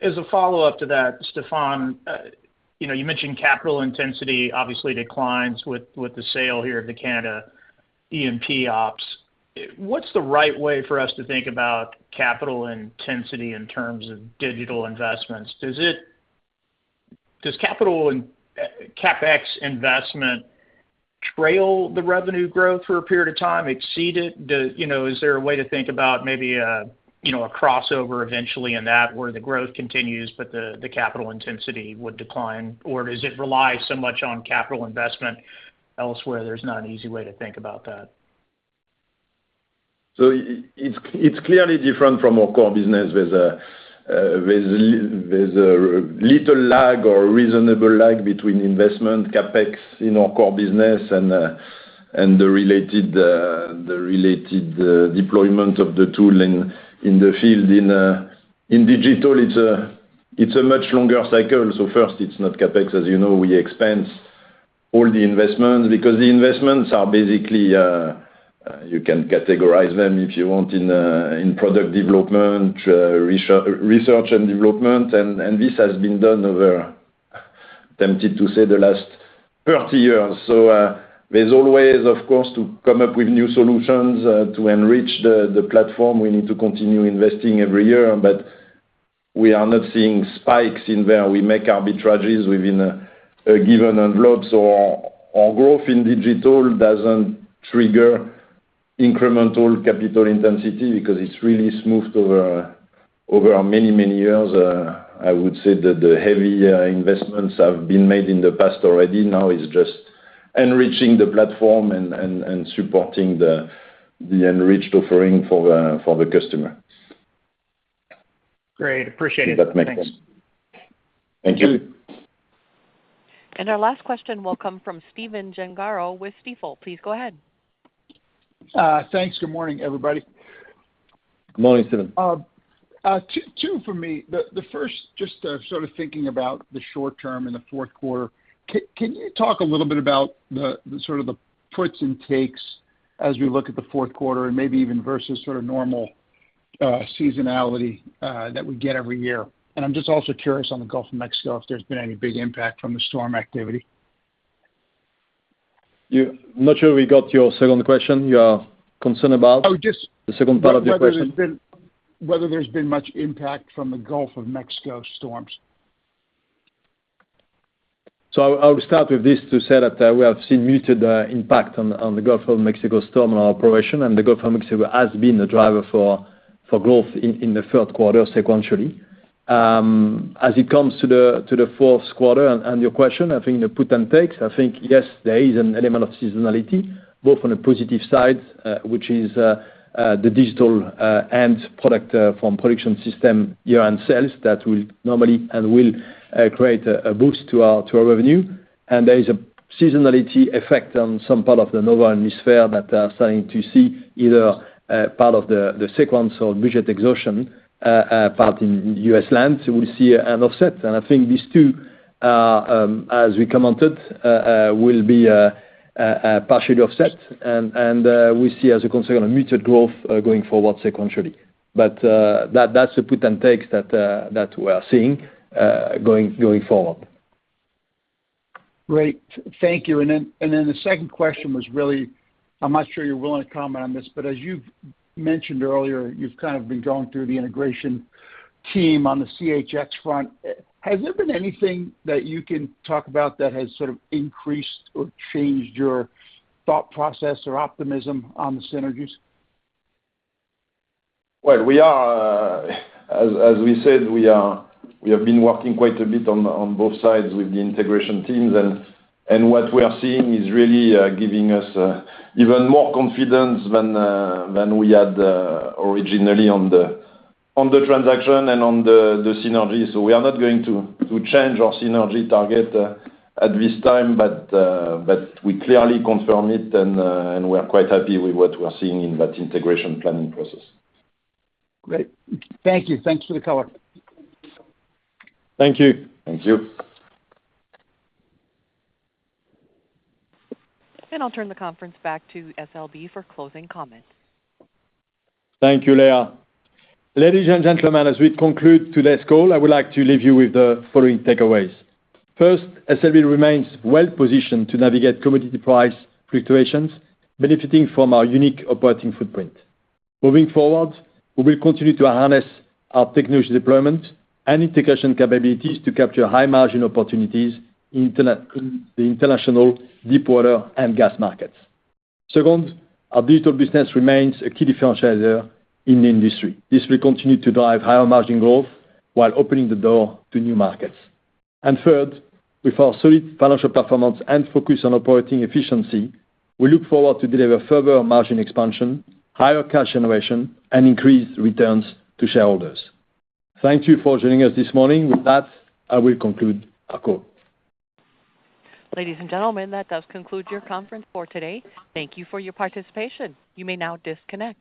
As a follow-up to that, Stéphane, you know, you mentioned capital intensity obviously declines with the sale here of the Canada E&P ops. What's the right way for us to think about capital intensity in terms of digital investments? Does capital and CapEx investment trail the revenue growth for a period of time, exceed it? Do you know, is there a way to think about maybe a crossover eventually in that, where the growth continues, but the capital intensity would decline? Or does it rely so much on capital investment elsewhere, there's not an easy way to think about that? So it's clearly different from our core business. There's a little lag or reasonable lag between investment, CapEx in our core business and the related deployment of the tool in the field. In digital, it's a much longer cycle, so first it's not CapEx. As you know, we expense all the investments, because the investments are basically you can categorize them, if you want, in product development, research and development. And this has been done over, tempted to say, the last 30 years. So there's always, of course, to come up with new solutions to enrich the platform. We need to continue investing every year, but we are not seeing spikes in where we make arbitrages within a given envelope. Our growth in digital doesn't trigger incremental capital intensity because it's really smoothed over many years. I would say that the heavy investments have been made in the past already. Now it's just enriching the platform and supporting the enriched offering for the customer. Great. Appreciate it. If that makes sense. Thanks. Thank you. Our last question will come from Stephen Gengaro with Stifel. Please go ahead. Thanks. Good morning, everybody. Good morning, Stephen. Two for me. The first, just sort of thinking about the short term and the fourth quarter. Can you talk a little bit about the sort of the puts and takes as we look at the fourth quarter and maybe even versus sort of normal seasonality that we get every year, and I'm just also curious on the Gulf of Mexico, if there's been any big impact from the storm activity. You- I'm not sure we got your second question. You are concerned about? Oh, just- The second part of your question. Whether there's been much impact from the Gulf of Mexico storms? So I'll start with this to say that we have seen muted impact on the Gulf of Mexico storm on our operation, and the Gulf of Mexico has been a driver for growth in the third quarter sequentially. As it comes to the fourth quarter and your question, I think the put and takes. I think yes, there is an element of seasonality both on the positive side which is the digital and product from Production Systems year-end sales that will normally and will create a boost to our revenue. And there is a seasonality effect on some part of the Northern Hemisphere that are starting to see either part of the sequence or budget exhaustion part in U.S. Land, we see an offset. I think these two, as we commented, will be partially offset. We see as a concern a muted growth going forward sequentially. That's the puts and takes that we are seeing going forward. Great. Thank you. And then the second question was really, I'm not sure you're willing to comment on this, but as you've mentioned earlier, you've kind of been going through the integration team on the CHX front. Has there been anything that you can talk about that has sort of increased or changed your thought process or optimism on the synergies? As we said, we have been working quite a bit on both sides with the integration teams, and what we are seeing is really giving us even more confidence than we had originally on the transaction and on the synergy. So we are not going to change our synergy target at this time, but we clearly confirm it, and we are quite happy with what we are seeing in that integration planning process. Great. Thank you. Thanks for the color. Thank you. Thank you. I'll turn the conference back to SLB for closing comments. Thank you, Leah. Ladies and gentlemen, as we conclude today's call, I would like to leave you with the following takeaways. First, SLB remains well positioned to navigate commodity price fluctuations, benefiting from our unique operating footprint. Moving forward, we will continue to harness our technology deployment and integration capabilities to capture high margin opportunities in the international deepwater and gas markets. Second, our digital business remains a key differentiator in the industry. This will continue to drive higher margin growth while opening the door to new markets. And third, with our solid financial performance and focus on operating efficiency, we look forward to deliver further margin expansion, higher cash generation, and increased returns to shareholders. Thank you for joining us this morning. With that, I will conclude our call. Ladies and gentlemen, that does conclude your conference for today. Thank you for your participation. You may now disconnect.